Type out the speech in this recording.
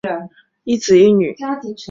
育有一子一女。